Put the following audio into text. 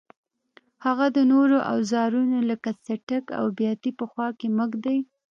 هغه د نورو اوزارونو لکه څټک او بیاتي په خوا کې مه ږدئ.